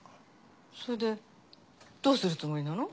それでどうするつもりなの？